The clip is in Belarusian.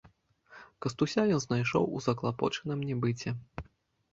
Кастуся ён знайшоў у заклапочаным небыце.